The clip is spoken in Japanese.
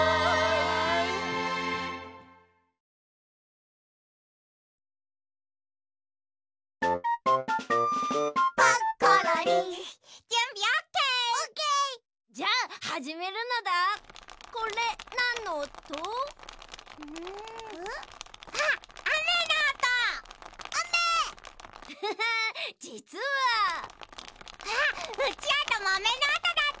あっうちわとまめのおとだったのね。